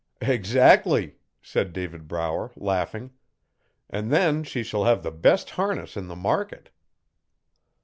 'Eggzac'ly,' said David Brower, laughing. 'An' then she shall have the best harness in the market.'